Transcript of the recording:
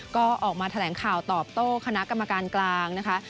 ก็ออกมาแถลงข่าวตอบโต้คณะกรรมการกลางนะคะ